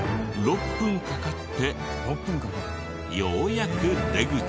６分かかってようやく出口が。